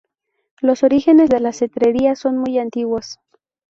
Los orígenes de la cetrería son muy antiguos.